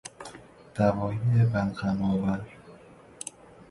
دوای بلغم آور